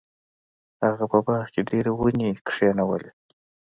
هغه په باغ کې ډیرې ونې کینولې.